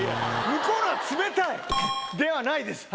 向こうのは冷たい？ではないです。